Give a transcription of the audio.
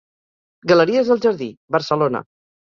Galeries El Jardí, Barcelona.